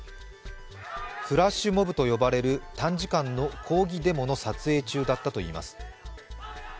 フラッシュモブと呼ばれる短時間の抗議デモの撮影中だったといいます。